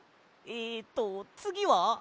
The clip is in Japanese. えとつぎは。